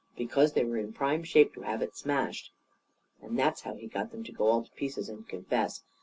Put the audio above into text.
Because they were in prime shape to have it smashed. And that's how he got them to go all to pieces and confess.